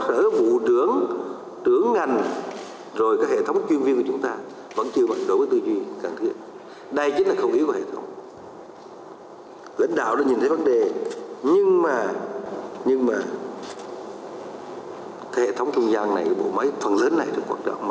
thủ tướng nguyễn xuân phúc thủ tướng nguyễn xuân phúc thủ tướng nguyễn xuân phúc